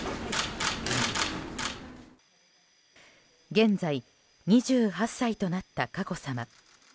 現在、２８歳となった佳子さま。